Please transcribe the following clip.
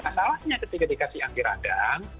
nah salahnya ketika dikasih anti radang